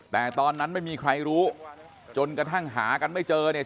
แต่ตอนนั้นไม่มีใครรู้จนกระทั่งหากันไม่เจอเนี่ย